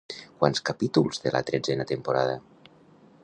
Quants capítols té la tretzena temporada?